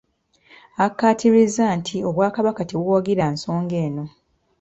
Akkaatirizza nti Obwakabaka tebuwagira nsonga eno.